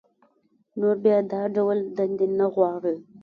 نور بيا دا ډول دندې نه غواړي